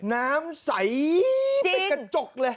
น้ำใสเป็นกระจกเลย